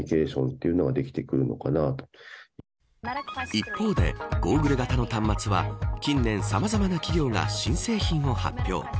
一方でゴーグル型の端末は近年さまざまな企業が新製品を発表。